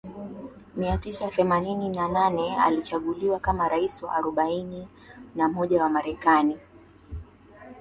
mia tisa themanini na nane alichaguliwa kama rais wa arobaini na moja wa Marekani